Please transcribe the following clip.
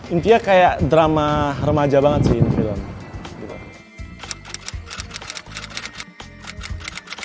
intinya kayak drama remaja banget sih ini